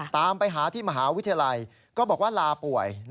ตามไปหาที่มหาวิทยาลัยก็บอกว่าลาป่วย